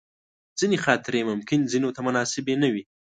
ځینې خاطرې ممکن ځینو ته مناسبې نه وي.